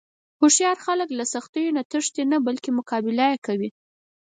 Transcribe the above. هوښیار خلک له سختیو نه تښتي نه، بلکې مقابله یې کوي.